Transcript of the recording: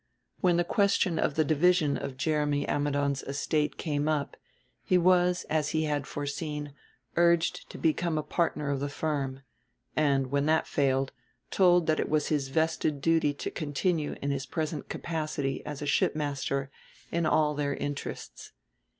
When the question of the division of Jeremy Amnudon's estate came up, he was, as he had foreseen, urged to become a partner of the firm; and, when that failed, told that it was his vested duty to continue in his present capacity as a shipmaster in all their interests.